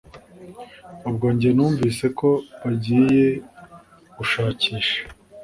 ubwo njye numvise ko bagiye gushakisha